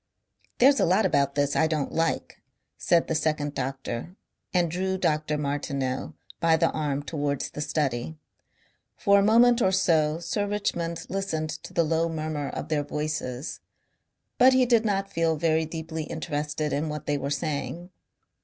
"There's a lot about this I don't like," said the second doctor and drew Dr. Martineau by the arm towards the study. For a moment or so Sir Richmond listened to the low murmur of their voices, but he did not feel very deeply interested in what they were saying.